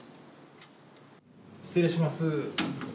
失礼します。